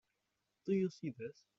Do you see this?